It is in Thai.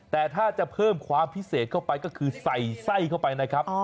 แต่ถ้าจะเพิ่มความพิเศษเข้าไปก็คือใส่ไส้เข้าไปนะครับ